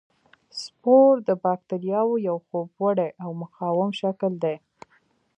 سپور د باکتریاوو یو خوب وړی او مقاوم شکل دی.